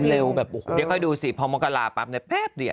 เร็วแบบโอ้โหเดี๋ยวค่อยดูสิพอมักกะลาปั๊บเรียบ